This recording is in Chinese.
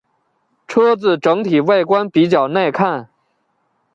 车子整体外观比较耐看。